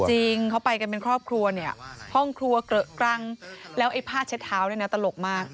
จริงเขาไปกันเป็นครอบครัวเนี่ยห้องครัวเกลอะกรังแล้วไอ้ผ้าเช็ดเท้าเนี่ยนะตลกมาก